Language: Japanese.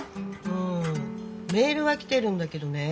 うんメールは来てるんだけどね。